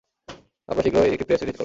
আমরা শীঘ্রই একটি প্রেস রিলিজ করব।